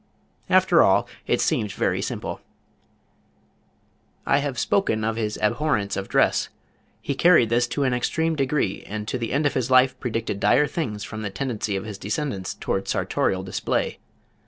After all it seemed very simple. I have spoken of his abhorrence of dress. He carried this to an extreme degree and to the end of his life predicted dire things from the tendency of his descendants toward sartorial display.